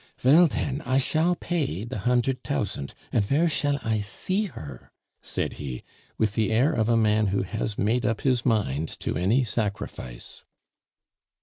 "Vell den, I shall pay the hundert tousant, and vere shall I see her?" said he, with the air of a man who has made up his mind to any sacrifice.